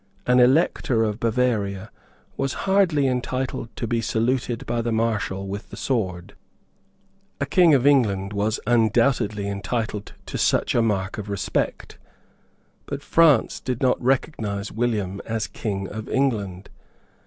An Elector of Bavaria was hardly entitled to be saluted by the Marshal with the sword. A King of England was undoubtedly entitled to such a mark of respect; but France did not recognise William as King of England.